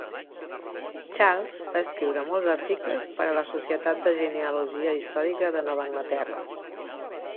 Charles va escriure molts articles per a la Societat de genealogia històrica de Nova Anglaterra.